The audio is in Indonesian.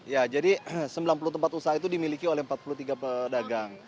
ya jadi sembilan puluh tempat usaha itu dimiliki oleh empat puluh tiga pedagang